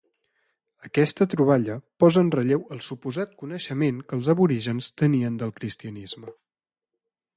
Aquesta troballa posa en relleu el suposat coneixement que els aborígens tenien del cristianisme.